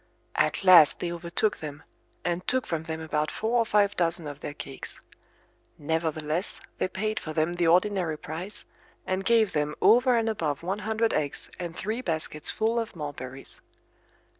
At last they overtook them, and took from them about four or five dozen of their cakes. Nevertheless they paid for them the ordinary price, and gave them over and above one hundred eggs and three baskets full of mulberries.